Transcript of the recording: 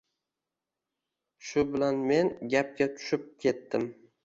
Shu bilan men gapga tushib ketdim